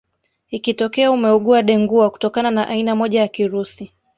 Ikitokea umeugua Dengua kutokana na aina moja ya kirusi